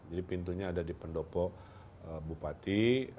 jadi pintunya ada di pendopo bupati